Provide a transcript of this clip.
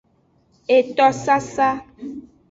Etosasa.